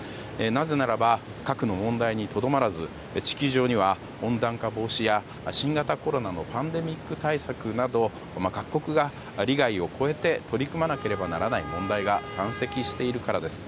なぜならば核の問題にとどまらず地球上には温暖化防止や新型コロナのパンデミック対策など各国が利害を超えて取り組まなければならない問題が山積しているからです。